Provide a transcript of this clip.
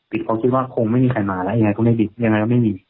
ปิดเพราะคิดว่าคงไม่มีใครมาแล้วยังไงก็ไม่ปิดยังไงก็ไม่มี